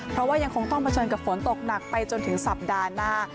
เพราะว่ายังคงต้องเผชิญกับฝนตกหนักไปจนถึงสัปดาห์หน้า